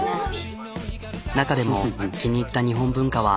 中でも気に入った日本文化は。